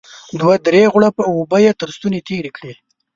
دوه درې غوړپه اوبه يې تر ستوني تېرې کړې.